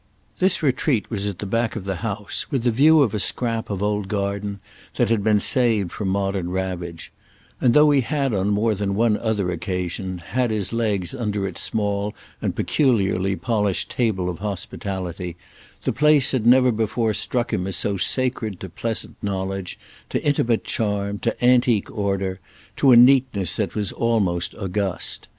This retreat was at the back of the house, with a view of a scrap of old garden that had been saved from modern ravage; and though he had on more than one other occasion had his legs under its small and peculiarly polished table of hospitality, the place had never before struck him as so sacred to pleasant knowledge, to intimate charm, to antique order, to a neatness that was almost august.